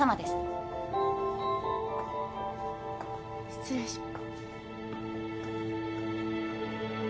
失礼しま。